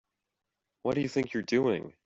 What do you think you're doing?